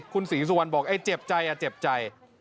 คุณศรีสุวรรณบอกไอ้เจ็บใจเจ็บใจ